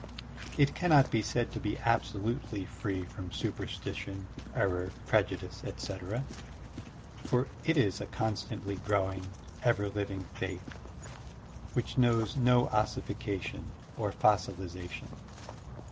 It cannot be said to be abso lutely free from superstition, sCrror, prejudice, etc., for it is a constantly growing, ever living faith which knows no ossification or fossilization.